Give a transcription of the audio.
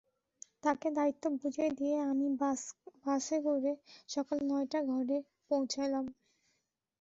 তাকে দায়িত্ব বুঝিয়ে দিয়ে আমি বাসে করে সকাল নয়টায় ঘরে পৌঁছলাম।